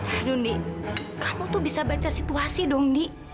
aduh ndi kamu tuh bisa baca situasi dong ndi